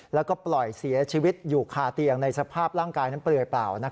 แล้วก็ปล่อยเสียชีวิตอยู่คาเตียงในสภาพร่างกายนั้นเปลือยเปล่า